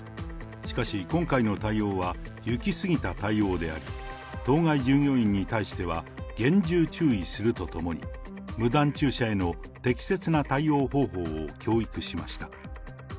しかし、今回の対応は行き過ぎた対応であり、当該従業員に対しては厳重注意するとともに、無断駐車への適切な対応方法を教育しました。